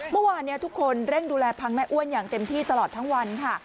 เมื่อวานทุกคนเร่งดูแลพังแม่อ้วนอย่างเต็มที่ตลอดทั้งวันค่ะ